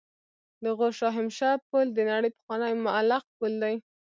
د غور شاهمشه پل د نړۍ پخوانی معلق پل دی